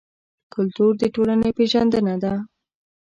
کلتور د ټولنې پېژندنه ده.